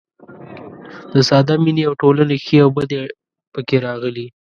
د ساده مینې او ټولنې ښې او بدې پکې راغلي.